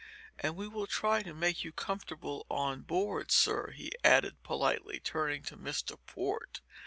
And we will try to make you comfortable on board, sir," he added, politely, turning to Mr. Port.